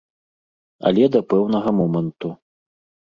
Але да пэўнага моманту.